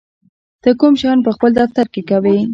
ته کوم شیان په خپل دفتر کې کوې؟